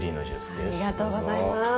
ありがとうございます。